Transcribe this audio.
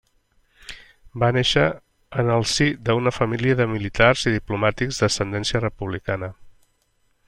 Va néixer en el si d'una família de militars i diplomàtics d'ascendència republicana.